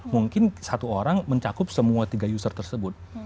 mungkin satu orang mencakup semua tiga user tersebut